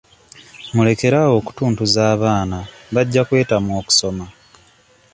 Mulekere awo okutuntuza abaana bajja kwetamwa okusoma.